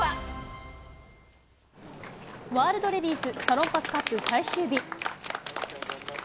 ワールドレディスサロンパスカップ最終日。